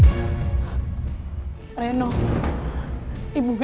ibu gak terima dituduh sepenuhnya